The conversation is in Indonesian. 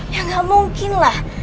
ya gak mungkin lah